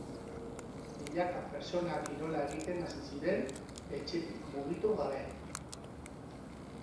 Milaka pertsona kirola egiten hasi ziren, etxetik mugitu gabe.